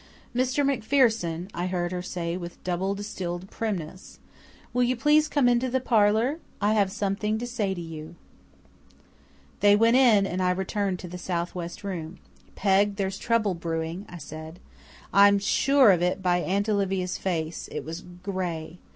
"Mr. MacPherson," I heard her say with double distilled primness, "will you please come into the parlour? I have something to say to you." They went in, and I returned to the south west room. "Peg, there's trouble brewing," I said. "I'm sure of it by Aunt Olivia's face, it was GRAY.